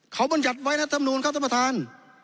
เขามันหยัดไว้ในทำนูนครับต่อประถาน